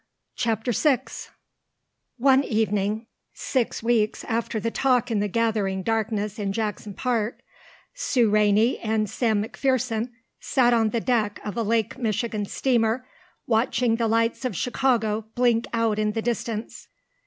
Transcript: CHAPTER VI One evening, six weeks after the talk in the gathering darkness in Jackson Park, Sue Rainey and Sam McPherson sat on the deck of a Lake Michigan steamer watching the lights of Chicago blink out in the distance.